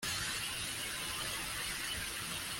Tom yasabye Mariya gusubiza ibyo yavuze